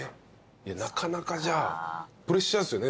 なかなかじゃあプレッシャーですよね。